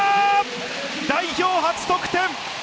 代表初得点！